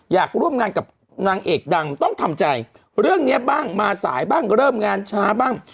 อยากร่วมงานกับนางเอกดังต้องทำใจเรื่องนี้บ้างมาสายบ้างเริ่มงานช้าบ้าง